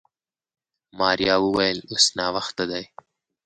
ماريا وويل اوس ناوخته دی.